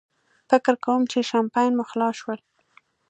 فکر کوم چې شیمپین مو خلاص شول.